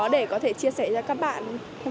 để có thể chia sẻ cho các bạn